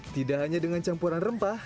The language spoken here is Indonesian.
tidak hanya dengan campuran rempah